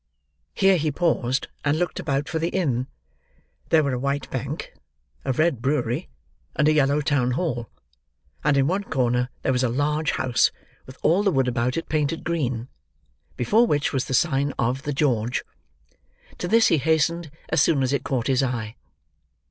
Here he paused, and looked about for the inn. There were a white bank, and a red brewery, and a yellow town hall; and in one corner there was a large house, with all the wood about it painted green: before which was the sign of "The George." To this he hastened, as soon as it caught his eye.